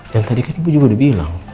yang tadi kan ibu juga udah bilang